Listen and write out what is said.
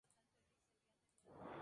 Fue compañero de la Orden del Baño.